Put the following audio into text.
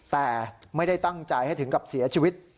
แต่ไม่ได้ตั้งใจให้ถึงกับเสียชีวิต